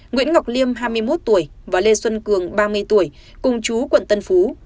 nguyễn ngọc liêm hai mươi một tuổi và lê xuân cường ba mươi tuổi cùng chú quận tân phú